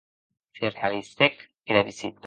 Se realizèc era visita.